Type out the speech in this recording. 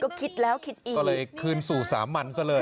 ก็คิดแล้วคิดอีกก็เลยคืนสู่สามัญซะเลย